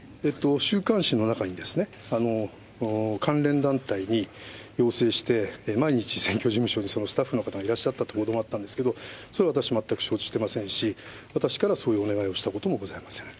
週刊誌の中に、関連団体に要請して、毎日、選挙事務所にスタッフの方がいらっしゃったという報道があったんですけれども、それは私、全く承知してませんし、私からそういうお願いをしたこともございません。